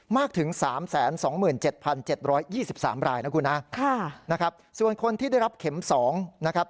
มากถึง๓๒๗๗๒๓รายนะคุณฮะนะครับส่วนคนที่ได้รับเข็ม๒นะครับ